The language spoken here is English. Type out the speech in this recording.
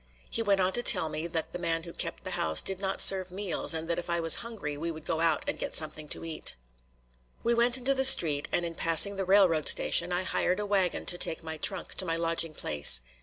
He went on to tell me that the man who kept the house did not serve meals, and that if I was hungry, we would go out and get something to eat. We went into the street, and in passing the railroad station I hired a wagon to take my trunk to my lodging place.